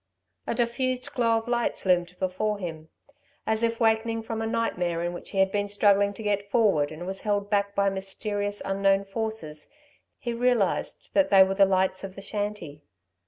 A diffused glow of lights loomed before him. As if wakening from a nightmare in which he had been struggling to get forward and was held back by mysterious, unknown forces, he realised that they were the lights of the shanty.